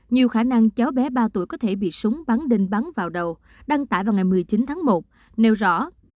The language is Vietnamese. nhiều khả năng cháu bé ba tuổi có thể bị súng bắn đinh bắn vào đầu đăng tải vào ngày một mươi chín tháng một nêu rõ